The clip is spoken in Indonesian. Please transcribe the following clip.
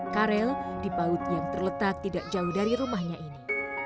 karel di paut yang terletak tidak jauh dari rumahnya ini